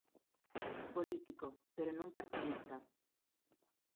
Político, pero non partidista.